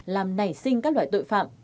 làm nảy sinh các loại tội phạm